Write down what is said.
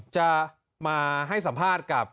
จะมาให้สัมภาษณ์กับ